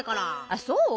あっそう？